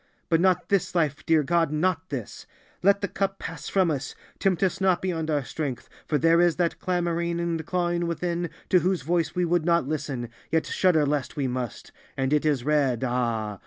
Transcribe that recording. But not this life, dear God, not this. Let the cup pass from us, tempt us not beyond our strength, for there is that clamoring and clawing within, to whose voice we would not listen, yet shudder lest we must, and it is red, Ah!